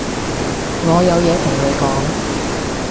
我有嘢同你講